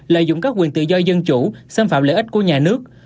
lợi dụng các quyền tự do dân chủ xâm phạm lợi ích của nhà nước